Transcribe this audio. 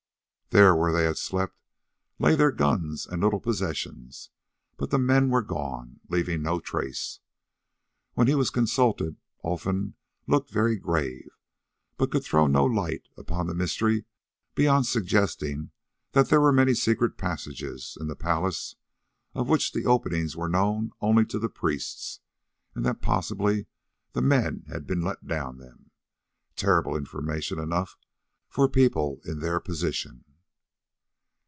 There where they had slept lay their guns and little possessions, but the men were gone, leaving no trace. When he was consulted Olfan looked very grave, but could throw no light upon the mystery beyond suggesting that there were many secret passages in the palace, of which the openings were known only to the priests, and that possibly the men had been let down them—terrible information enough for people in their position.